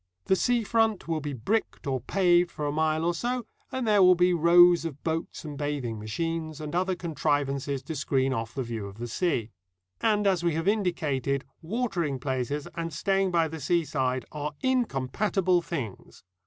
The sea front will be bricked or paved for a mile or so, and there will be rows of boats and bathing machines, and other contrivances to screen off the view of the sea. And, as we have indicated, watering places and staying by the seaside are incompatible things.